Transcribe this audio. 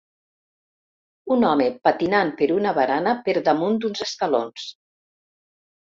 Un home patinant per una barana per damunt d'uns escalons.